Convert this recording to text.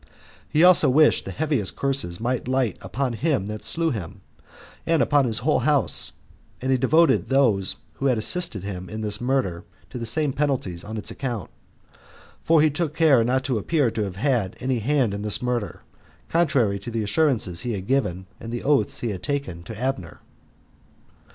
He also wished the heaviest curses might light upon him that slew him and upon his whole house; and he devoted those that had assisted him in this murder to the same penalties on its account; for he took care not to appear to have had any hand in this murder, contrary to the assurances he had given and the oaths he had taken to Abner.